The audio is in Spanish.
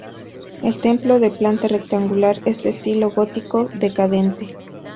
El templo, de planta rectangular, es de estilo gótico decadente.